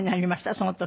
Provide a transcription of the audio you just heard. その時。